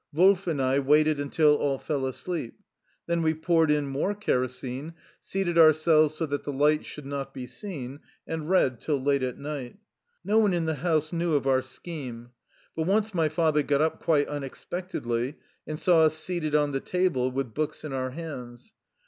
Wolf and I waited until all fell asleep. Then we poured in more kerosene, seated our selves so that the light should not be seen, and read till late at night. No one in the house knew of our scheme. But once my father got up quite unexpectedly and saw us seated on the table with books in our hands.